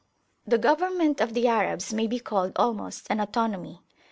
The government of the Arabs may be called almost an autonomy.